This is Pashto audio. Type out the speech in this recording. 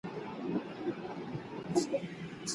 د روغتیا وزارت راپورونه څنګه خپروي؟